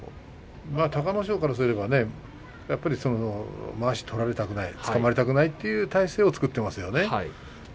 隆の勝からするとまわしを取られたくないつかまりたくないという体勢を作っていますよね。